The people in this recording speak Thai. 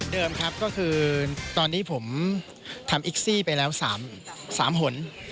ครับก็คือตอนนี้ผมทำเอ็กซี่ไปแล้ว๓หน